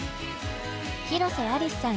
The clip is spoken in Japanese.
広瀬アリスさん